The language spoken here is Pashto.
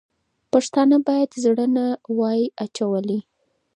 پښتانه باید زړه نه وای اچولی.